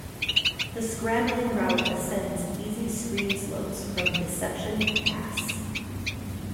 The scrambling route ascends easy screen slopes from Deception Pass.